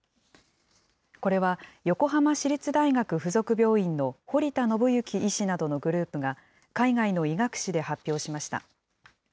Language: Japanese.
これは横浜市立大学附属病院の堀田信之医師などのグループが海外の医学誌で発表しました。